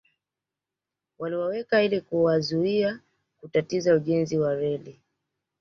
Waliwekwa ili kuwazuia kutatiza ujenzi wa reli